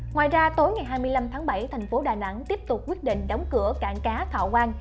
ngoài ra tối ngày hai mươi năm tháng bảy thành phố đà nẵng tiếp tục quyết định đóng cửa cảng cá thọ quang